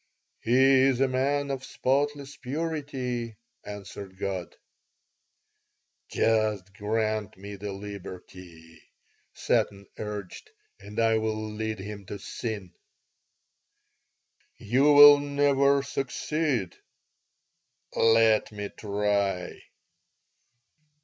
"'He is a man of spotless purity,' answered God "'Just grant me the liberty,' Satan urged, 'and I will lead him to sin.' "'You will never succeed.' "'Let me try.'